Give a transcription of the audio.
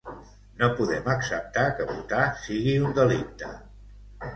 No podem acceptar que votar sigui un delicte.